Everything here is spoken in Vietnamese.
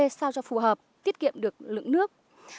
cà phê sao cho phù hợp tiết kiệm được lượng nước